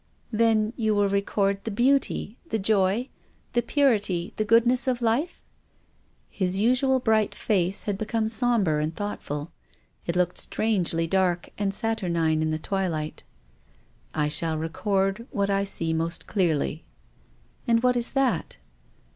" Then, you will record the beauty, the joy, the purity, the goodness of life ?" His usually bright face had become sombre and thoughtful. It looked strangely dark and satur nine in the twilight. " I shall record what I see most clearly." " And what is that